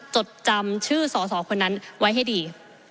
จดจำชื่อสอสอคนนั้นไว้ให้ดี